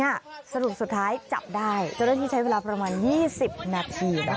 สรุปสุดท้ายจับได้เจ้าหน้าที่ใช้เวลาประมาณ๒๐นาทีนะคะ